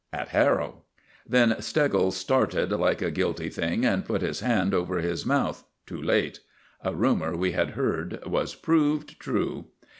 "At Harrow." Then Steggles started like a guilty thing and put his hand over his mouth too late. A rumor we had heard was proved true.